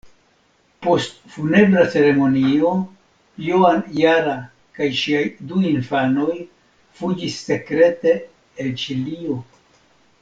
Post funebra ceremonio Joan Jara kaj ŝiaj du infanoj fuĝis sekrete el Ĉilio.